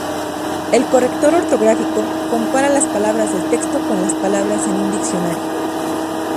El corrector ortográfico compara las palabras del texto con las palabras en un diccionario.